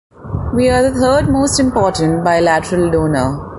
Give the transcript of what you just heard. We are the third most important bilateral donor.